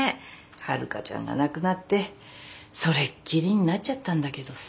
遥ちゃんが亡くなってそれっきりになっちゃったんだけどさ。